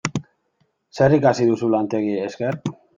Zer ikasi duzu lantegiei esker?